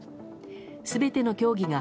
全ての競技が